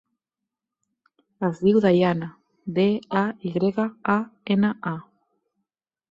Es diu Dayana: de, a, i grega, a, ena, a.